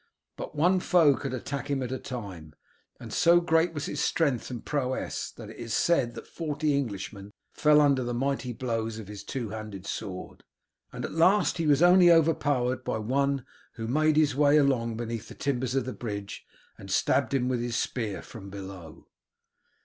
But one foe could attack him at a time, and so great was his strength and prowess that it is said forty Englishmen fell under the mighty blows of his two handed sword, and at last he was only over powered by one who made his way along beneath the timbers of the bridge and stabbed him with his spear from below.